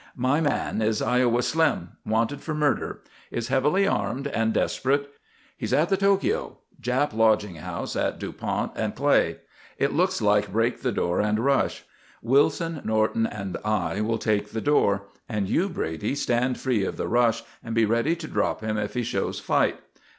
"My man is Iowa Slim, wanted for murder. Is heavily armed and desperate. He's in the Tokio Jap lodging house at Dupont and Clay. It looks like break the door and rush. Wilson, Norton, and I will take the door, and you, Brady, stand free of the rush and be ready to drop him if he shows fight.